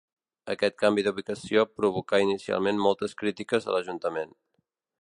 Aquest canvi d'ubicació provocà inicialment moltes crítiques a l'ajuntament.